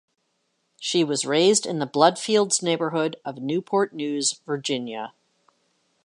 She was raised in the Bloodfields neighborhood of Newport News, Virginia.